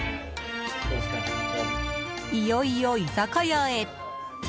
いよいよ居酒屋へ。